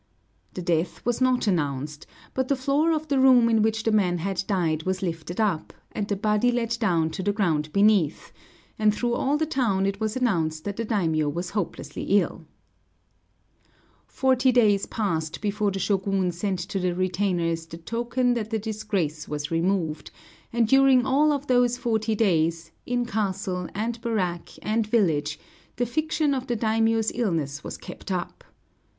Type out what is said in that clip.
The death was not announced, but the floor of the room in which the man had died was lifted up, and the body let down to the ground beneath; and through all the town it was announced that the daimiō was hopelessly ill. Forty days passed before the Shōgun sent to the retainers the token that the disgrace was removed, and during all those forty days, in castle and barrack and village, the fiction of the daimiō's illness was kept up.